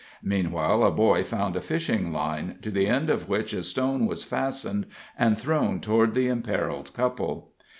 Meanwhile a boy found a fishing line, to the end of which a stone was fastened and thrown toward the imperiled couple.